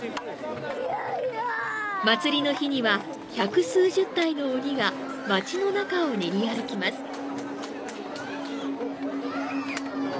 祭りの日には、百数十体の鬼が街の中を練り歩きます。